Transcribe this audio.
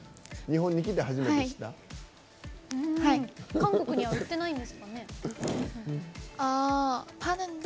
韓国には売ってないんですかね？